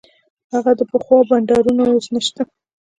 هغه د پخوا بانډارونه اوس نسته.